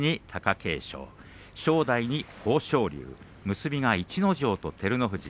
結びが逸ノ城と照ノ富士。